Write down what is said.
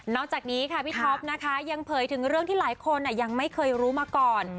จากนี้ค่ะพี่ท็อปนะคะยังเผยถึงเรื่องที่หลายคนยังไม่เคยรู้มาก่อน